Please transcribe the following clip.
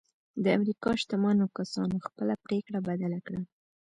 د امريکا شتمنو کسانو خپله پرېکړه بدله کړه.